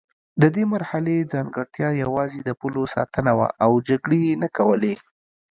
د دې مرحلې ځانګړتیا یوازې د پولو ساتنه وه او جګړې یې نه کولې.